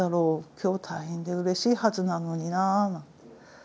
今日退院でうれしいはずなのになと。